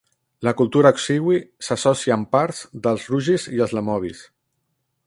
La cultura oksywie s'associa amb parts dels rugis i els lemovis.